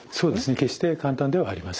決して簡単ではありません。